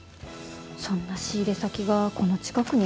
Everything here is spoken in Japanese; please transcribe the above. そんな仕入れ先がこの近くにあれば。